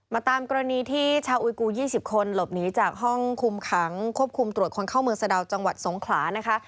ตามกรณีที่ชาวอุยกู๒๐คนหลบหนีจากห้องคุมขังควบคุมตรวจคนเข้าเมืองสะดาวจังหวัดสงขลานะคะ